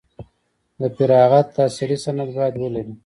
د فراغت تحصیلي سند باید ولري.